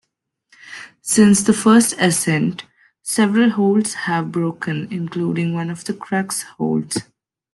Since the first ascent, several holds have broken including one of the crux holds.